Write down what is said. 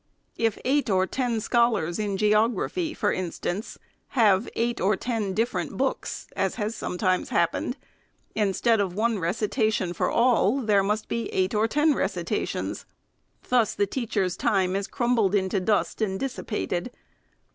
If eight or ten scholars, in geogra phy, for instance, have eight or ten different books, as has sometimes happened, instead of one recitation for all, there must be eight or ten recitations. Thus the teach FIRST ANNUAL REPORT. 397 er's time is crumbled into dust and dissipated.